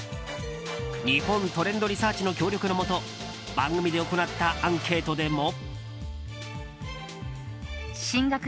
日本トレンドリサーチの協力のもと番組で行ったアンケートでも。